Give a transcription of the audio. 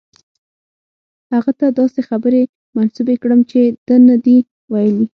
هغه ته داسې خبرې منسوبې کړم چې ده نه دي ویلي.